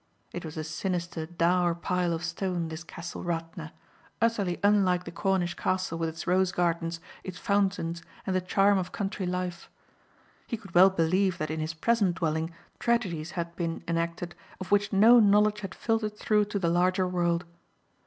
It was a sinister, dour pile of stone, this Castle Radna utterly unlike the Cornish castle with its rose gardens, its fountains and the charm of country life. He could well believe that in his present dwelling tragedies has been enacted of which no knowledge had filtered through to the larger world.